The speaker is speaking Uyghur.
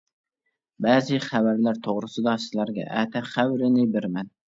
بەزى خەۋەرلەر توغرىسىدا سىلەرگە ئەتە خەۋىرىنى بېرىمەن.